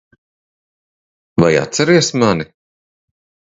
Vai atceries mani?